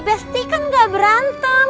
besti kan gak berantem